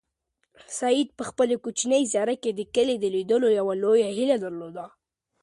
سعید په خپل کوچني زړه کې د کلي د لیدلو یوه لویه هیله درلوده.